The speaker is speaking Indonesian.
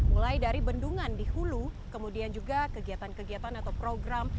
mulai dari bendungan di hulu kemudian juga kegiatan kegiatan atau program